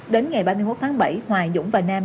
đến ngày ba mươi một tháng bảy hoài dũng và nam